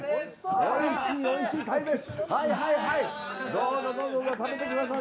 おいしい、おいしい、鯛です。